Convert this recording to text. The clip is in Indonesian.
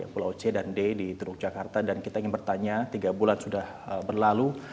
pulau c dan d di teluk jakarta dan kita ingin bertanya tiga bulan sudah berlalu